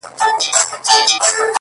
دا درې جامونـه پـه واوښـتـل،